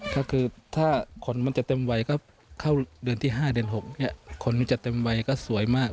ถ้าคนจะเต็มวัยเห็นเดือนแคลอครับเค้าเดือนที่๕เดือนที่๖เนี้ยคนนี้จะจะเต็มวัยเห็นสวยมาก